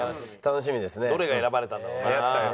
どれが選ばれたんだろうな。